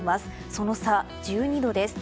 その差、１２度です。